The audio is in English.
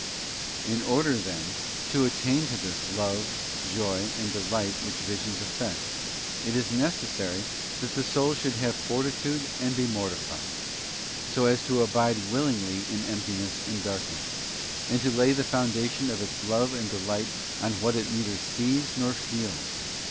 In order, then, to attain to this love, joy, and delight which visions effect, it is necessary that the soul should have fortitude, and be mortified; so as to abide willingly in emptiness and darkness, and to lay the foundation of its love and delight on what it neither sees nor feels, on what CHAP.